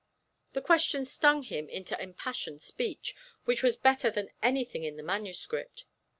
The question stung him into impassioned speech which was better than anything in his manuscript.